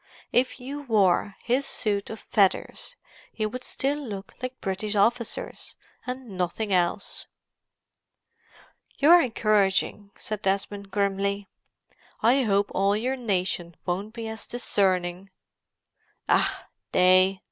If you wore his suit of feathers you would still look like British officers and nothing else." "You're encouraging," said Desmond grimly. "I hope all your nation won't be as discerning." "Ach—they!"